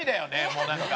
もうなんか。